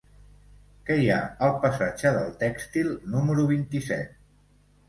Què hi ha al passatge del Tèxtil número vint-i-set?